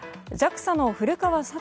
ＪＡＸＡの古川聡